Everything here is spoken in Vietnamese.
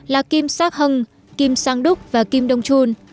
là kim sak hung kim sang duk và kim dong chun